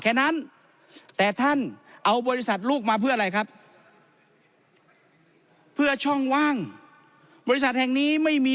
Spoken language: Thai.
แค่นั้นแต่ท่านเอาบริษัทลูกมาเพื่ออะไรครับเพื่อช่องว่างบริษัทแห่งนี้ไม่มี